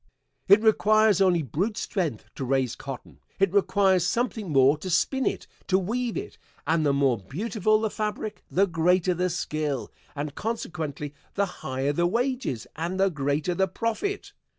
It requires only brute strength to raise cotton; it requires something more to spin it, to weave it, and the more beautiful the fabric the greater the skill, and consequently the higher the wages and the greater the profit.